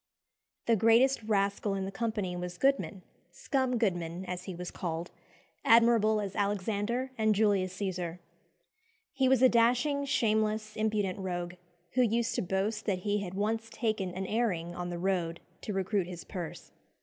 The greatest rascal in the company was Goodman "Scum Goodman," as he was called admirable as Alexander and Julius Cæsar. He was a dashing, shameless, impudent rogue, who used to boast that he had once taken "an airing" on the road to recruit his purse.